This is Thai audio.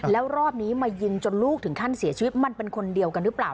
แล้วรอบนี้มายิงจนลูกถึงขั้นเสียชีวิตมันเป็นคนเดียวกันหรือเปล่า